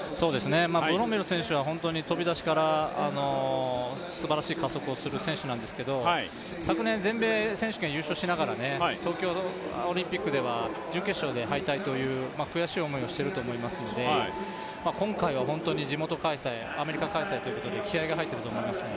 本当に飛び出しから、すばらしい加速をする選手ですが昨年、全米選手権優勝しながら東京オリンピックでは準決勝敗退という悔しい思いをしていると思いますので今回は本当に地元、アメリカ開催ということで気合いが入ってると思いますね。